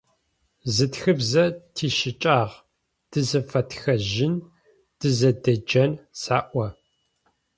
Зы тхыбзэ тищыкӏагъ: тызэфэтхэжьын, тызэдеджэн, сэӏо.